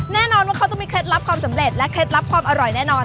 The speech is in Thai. แน่นอนว่าเขาจะมีเคล็ดลับความสำเร็จและเคล็ดลับความอร่อยแน่นอน